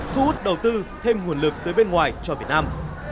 thu hút đầu tư thêm nguồn lực tới bên ngoài cho việt nam